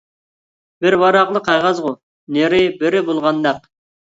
بىر ۋاراقلا قەغەزغۇ؟ نېرى-بېرى بولغان نەق.